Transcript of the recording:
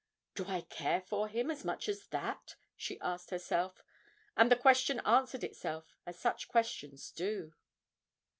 'Do I care for him as much as that?' she asked herself, and the question answered itself as such questions do.